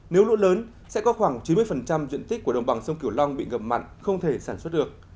nếu lũ lớn sẽ có khoảng chín mươi diện tích của đồng bằng sông kiểu long bị ngập mặn không thể sản xuất được